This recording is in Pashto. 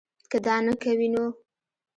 کۀ دا نۀ کوي نو